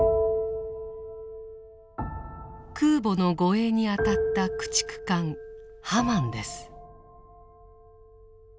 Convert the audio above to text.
空母の護衛に当たった駆逐艦「ハマン」です。